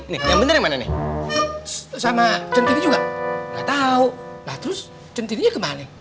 nih yang bener yang mana nih sama cintinny juga gak tau nah terus cintinny nya kemana